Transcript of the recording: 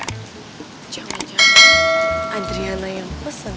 tunggu adriana yang pesen